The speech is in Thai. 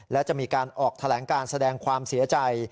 และจะมีการออกแถลงการแสดงความเสียใจ